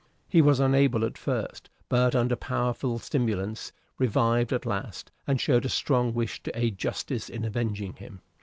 He was unable at first; but, under powerful stimulants, revived at last, and showed a strong wish to aid justice in avenging him.